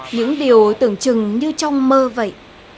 những điều tưởng chừng như trong mơ vậy